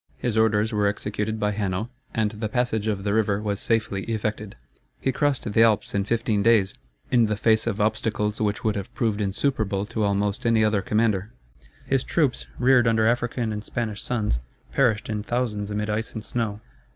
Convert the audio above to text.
His orders were executed by Hanno, and the passage of the river was safely effected. He crossed the Alps in fifteen days, in the face of obstacles which would have proved insuperable to almost any other commander. His troops, reared under African and Spanish suns, perished in thousands amid ice and snow.